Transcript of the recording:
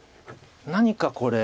何かこれ。